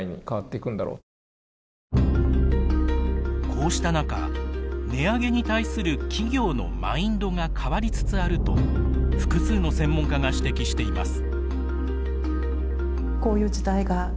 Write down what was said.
こうした中値上げに対する企業のマインドが変わりつつあると複数の専門家が指摘しています。